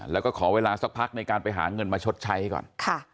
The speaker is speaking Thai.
แล้วก็ขอเวลาสักพักในการไปหาเงินมาชดใช้ก่อน